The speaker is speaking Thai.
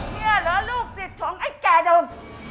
เนี่ยเหรอลูกศิษย์ของไอ้แก่ดม